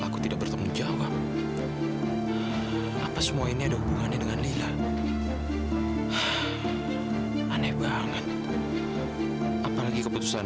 aku tidak bertanggung jawab apa semua ini ada hubungannya dengan lila aneh banget apalagi keputusan